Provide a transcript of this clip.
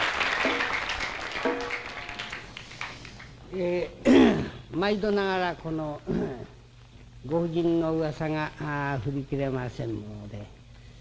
え毎度ながらこのご婦人のうわさが振り切れませんもので。